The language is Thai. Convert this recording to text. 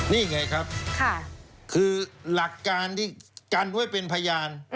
นี่ไงครับคือหลักการที่กันไว้เป็นพยาน